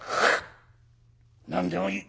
「何でもいい。